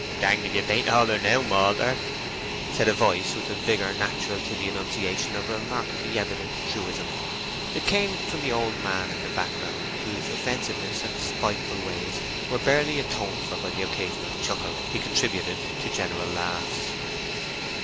"Danged if ye bain't altered now, malter," said a voice with the vigour natural to the enunciation of a remarkably evident truism. It came from the old man in the background, whose offensiveness and spiteful ways were barely atoned for by the occasional chuckle he contributed to general laughs.